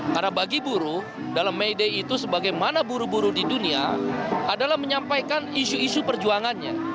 karena bagi buruh dalam mede itu sebagaimana buruh buru di dunia adalah menyampaikan isu isu perjuangannya